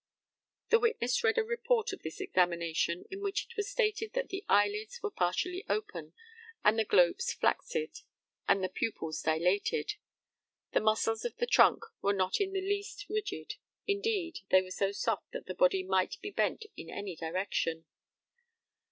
[The witness read a report of this examination, in which it was stated that the eyelids were partially open, and the globes flaccid, and the pupils dilated. The muscles of the trunk were not in the least rigid; indeed, they were so soft, that the body might be bent in any direction.